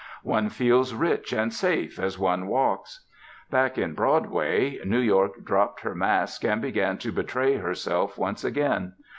One feels rich and safe as one walks. Back in Broadway, New York dropped her mask, and began to betray herself once again.